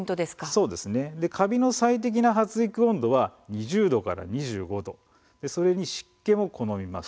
カビの最適な発育温度は２０度から２５度さらに湿気も好みます。